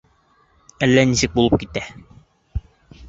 Әллә нисек булып китә.